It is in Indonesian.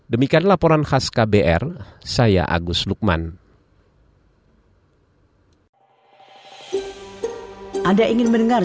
demikian laporan khas kbr saya agus lukman